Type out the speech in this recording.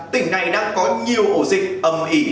tỉnh này đang có nhiều ổ dịch âm ị